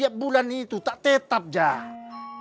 tiap bulan itu tak tetap jalan